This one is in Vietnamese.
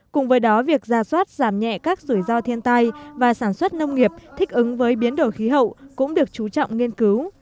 cùng với đó việc ra soát giảm nhẹ các rủi ro thiên tai và sản xuất nông nghiệp thích ứng với biến đổi khí hậu cũng được chú trọng nghiên cứu